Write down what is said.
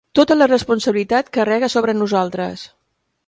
Tota la responsabilitat carrega sobre nosaltres.